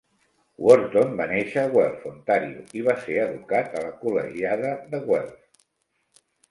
Worton va néixer a Guelph, Ontario, i va ser educat a la Col·legiada de Guelph.